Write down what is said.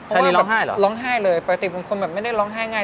ค่ะนี่ร้องไห้เหรอร้องไห้เลยประสิทธิ์บางคนไม่ได้ร้องไห้ง่าย